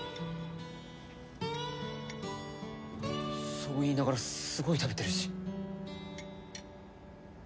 そう言いながらすごい食べてるし。